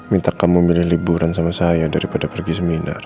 minta kamu milih liburan sama saya daripada pergi seminar